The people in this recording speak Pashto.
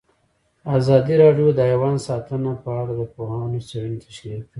ازادي راډیو د حیوان ساتنه په اړه د پوهانو څېړنې تشریح کړې.